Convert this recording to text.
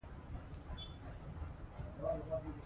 د مور نصېحت